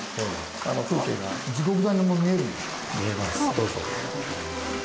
どうぞ。